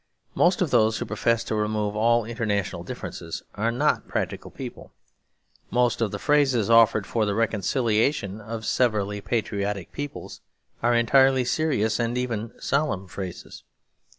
Most of those who profess to remove all international differences are not practical people. Most of the phrases offered for the reconciliation of severally patriotic peoples are entirely serious and even solemn phrases.